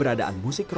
desa wantaran terakhir